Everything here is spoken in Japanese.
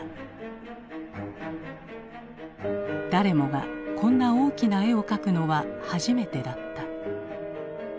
誰もがこんな大きな絵を描くのは初めてだった。